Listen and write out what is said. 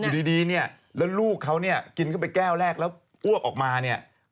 แล้วลูกเขากินเข้าไปแก้วแรกแล้วอ้วกออกมาเนี่ย